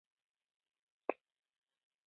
پیلوټ ځان د نورو خدمت ته وقف کړی وي.